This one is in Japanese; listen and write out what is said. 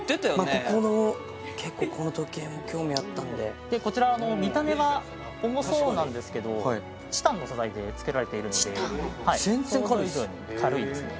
ここの結構この時計も興味あったんででこちらあの見た目が重そうなんですけどチタンの素材で作られているので全然軽いっす想像以上に軽いですね